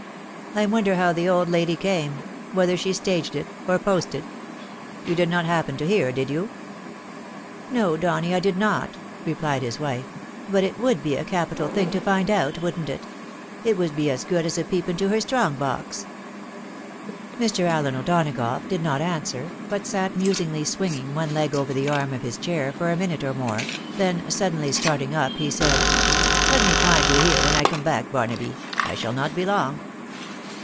I wonder how the old lady came, whether she staged it, or posted? You did not happen to hear, did you ?"" No, Donny, I did not," replied his wife ;" but it would be a capital thing to find out, wouldn't it ? It would be as good as a peep into her strong box." Mr. Allen O'Donagough did not answer, but eat musingly swinging one leg over the arm of his chair for a minute or more, then suddenly starting up, he said, " Let me find you here when I come back, Barnaby ; I shall not be long."